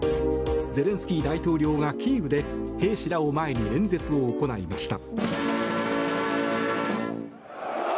ゼレンスキー大統領が、キーウで兵士らを前に演説を行いました。